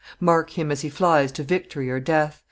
Mark him as he flies to victory or death!